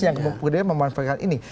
yang kemudian memanfaatkan ini